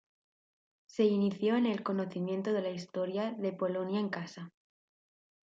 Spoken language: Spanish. Se inició en el conocimiento de la historia de Polonia en casa.